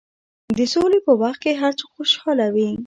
د سولې په وخت کې هر څوک خوشحاله وي.